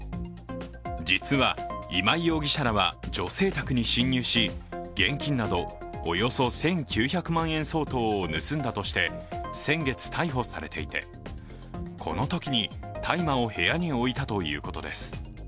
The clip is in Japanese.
実は今井容疑者らは女性宅に侵入し、現金などおよそ１９００万円相当を盗んだとして先月逮捕されていて、このときに大麻を部屋に置いたということです。